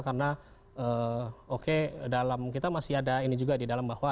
karena oke kita masih ada ini juga di dalam bahwa